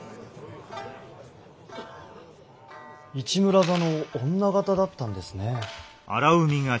市村座の女形だったんですね。